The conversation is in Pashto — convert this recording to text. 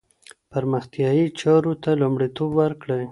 پرمختیايي چارو ته لومړیتوب ورکړئ.